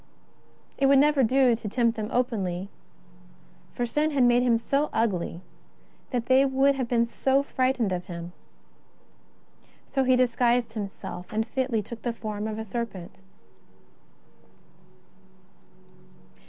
It would never do to tempt them openly, for sin had made him so ugly that they would have been frightened of him. So he dis guised himself, and fitly took the form of a serpent.